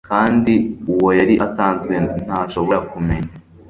kandi uwo yari asanzwe ntashobora kumenya